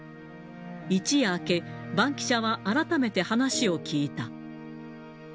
一夜明け、バンキシャは、改めて話を聞いた。